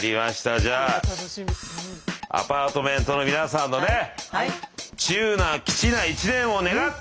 じゃあアパートメントの皆さんのね中な吉な１年を願って。